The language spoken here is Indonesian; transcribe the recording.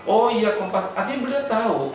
oh iya kompas artinya beliau tahu